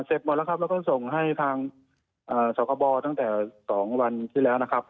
เสร็จหมดแล้วครับแล้วก็ส่งให้ทางสคบตั้งแต่๒วันที่แล้วนะครับ